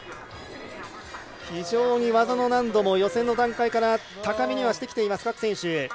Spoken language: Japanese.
非常に技の難度も予選の段階から高めにはしてきている各選手。